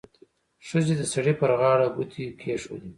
ښځې د سړي پر غاړه ګوتې کېښودې.